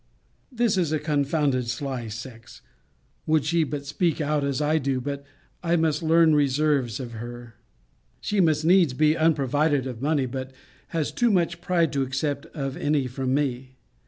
This is a confounded sly sex. Would she but speak out, as I do but I must learn reserves of her. She must needs be unprovided of money: but has too much pride to accept of any from me.